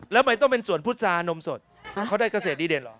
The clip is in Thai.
แล้วทำไมต้องเป็นสวนพุษานมสดเขาได้เกษตรดีเด่นเหรอ